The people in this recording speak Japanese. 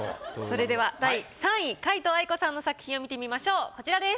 それでは第３位皆藤愛子さんの作品を見てみましょうこちらです。